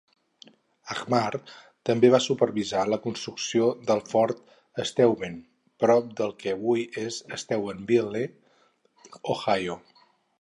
Harmar també va supervisar la construcció del Fort Steuben, prop del que avui és Steubenville, Ohio.